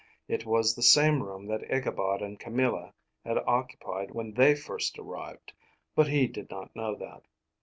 It was the same room that Ichabod and Camilla had occupied when they first arrived; but he did not know that.